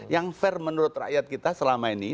yang fair menurut rakyat kita selama ini